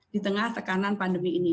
di tengah tekanan pandemi ini